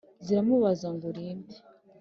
Ziramubabaza ngo Uri nde